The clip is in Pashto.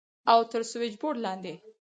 او تر سوېچبورډ لاندې.